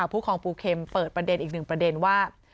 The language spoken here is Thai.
ครองปูเข็มเปิดประเด็นอีกหนึ่งประเด็นว่า